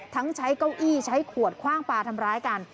ทั้งใช้เก้าอี้ใช้ขวดคว่างปลาทำร้ายกัน